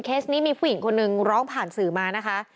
นี้มีผู้หญิงคนนึงร้องผ่านสื่อมานะคะ